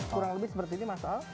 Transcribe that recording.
kurang lebih seperti ini mas al